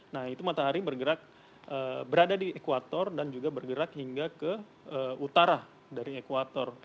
nah itu matahari bergerak berada di ekuator dan juga bergerak hingga ke utara dari ekwator